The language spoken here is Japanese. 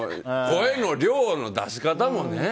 声の出し方もね。